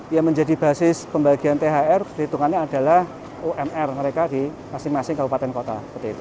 yang menjadi basis pembagian thr perhitungannya adalah umr mereka di masing masing kabupaten kota